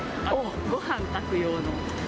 ごはん炊く用の。